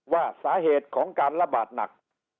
ว่าสาเหตุของการระบาดหนัก